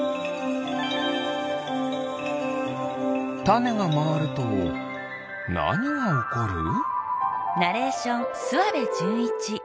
タネがまわるとなにがおこる？